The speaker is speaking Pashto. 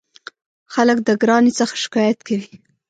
خلک د ګرانۍ څخه شکایت کوي.